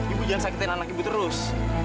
ibu jangan sakitin anak ibu terus